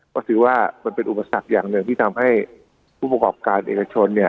ก็ถือว่ามันเป็นอุปสรรคอย่างหนึ่งที่ทำให้ผู้ประกอบการเอกชนเนี่ย